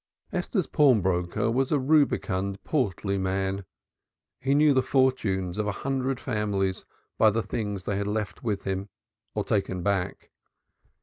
Esther's pawnbroker was a rubicund portly man. He knew the fortunes of a hundred families by the things left with him or taken back.